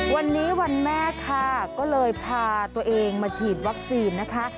วันนี้วันแม่ค่ะก็เลยพาตัวเองมาฉีดวัคซีนนะคะ